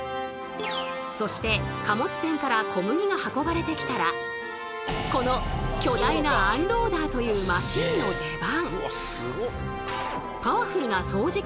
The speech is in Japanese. そして貨物船から小麦が運ばれてきたらこの巨大なアンローダーというマシンの出番！